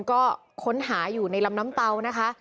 ก็ค้นหาอยู่ในลำน้ำเตานะคะ